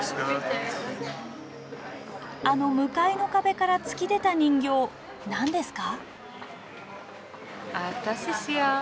あの向かいの壁から突き出た人形何ですか？